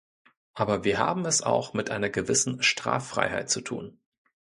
Aber wir haben es auch mit einer gewissen Straffreiheit zu tun.